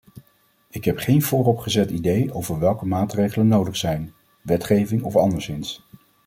Ik heb geen vooropgezet idee over welke maatregelen nodig zijn - wetgeving of anderszins.